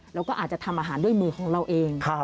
เราก็อาจจะทำอาหารด้วยมือของเราเอง